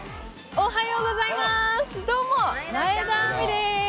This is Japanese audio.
おはようございますどうも前田亜美です。